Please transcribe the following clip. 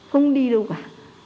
không đi đâu cả